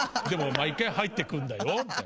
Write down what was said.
毎回入ってくるんだよ」みたいな。